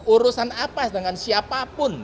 urusan apa dengan siapapun